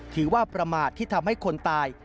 ถือว่าประมาทที่ทำให้คนตาย